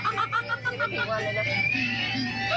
โอ้ยโคตรเหนื่อยเลยอ่ะ